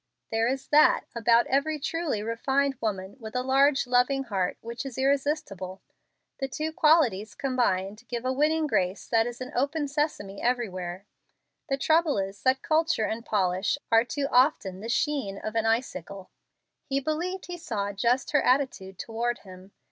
There is that about every truly refined woman with a large loving heart which is irresistible. The two qualities combined give a winning grace that is an "open sesame" everywhere. The trouble is that culture and polish are too often the sheen of an icicle. He believed he saw just her attitude toward him.